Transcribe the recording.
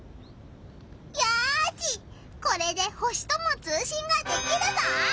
よしこれで星とも通しんができるぞ！